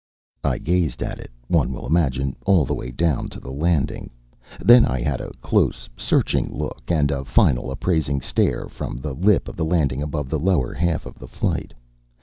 I gazed at it, one will imagine, all the way down to the landing. Then I had a close, searching look, and a final appraising stare from the lip of the landing above the lower half of the flight.